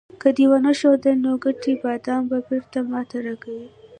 که دې ونه ښودل، نو ګټلي بادام به بیرته ماته راکوې.